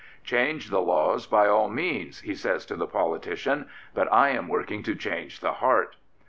Change the laws by all means, he says to the politician, but I am working to change the heart.